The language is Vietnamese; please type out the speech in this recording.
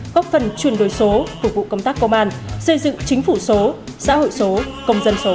góp phần chuyển đổi số phục vụ công tác công an xây dựng chính phủ số xã hội số công dân số